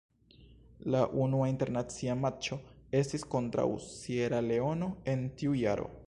La unua internacia matĉo estis kontraŭ Sieraleono en tiu jaro.